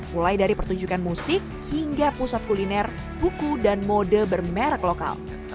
mulai dari pertunjukan musik hingga pusat kuliner buku dan mode bermerek lokal